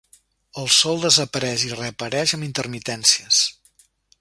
El sol desapareix i reapareix amb intermitències.